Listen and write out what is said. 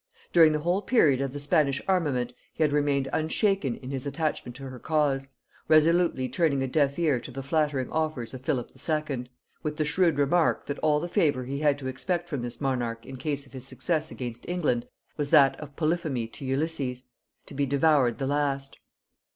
During the whole period of the Spanish armament he had remained unshaken in his attachment to her cause, resolutely turning a deaf ear to the flattering offers of Philip II. with the shrewd remark, that all the favor he had to expect from this monarch in case of his success against England, was that of Polypheme to Ulysses; to be devoured the last.